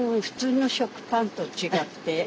普通の食パンと違って。